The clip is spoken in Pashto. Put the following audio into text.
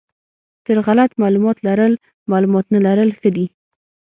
تر غلط معلومات لرل معلومات نه لرل ښه دي.